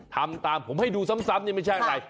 ทำตามผมให้ดูซ้ำนี่ไม่ใช่อะไร